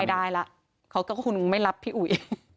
ได้แล้วเขาก็คงไม่รับพี่อุ๋ย